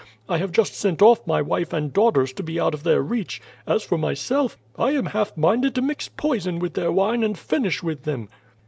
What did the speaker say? I have just sent off my wife and daughters to be out of their reach. As for myself, I am half minded to mix poison with their wine and finish with them."